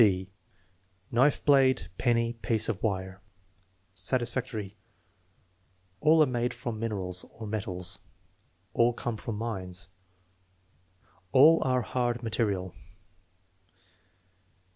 (d) Knife blade, penny, piece of wire Satisfactory. "All are made from minerals" (or metals). "All come from mines." "All are hard material."